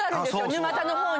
沼田の方に。